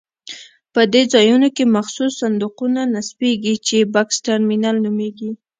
په دې ځایونو کې مخصوص صندوقونه نصبېږي چې بکس ترمینل نومېږي.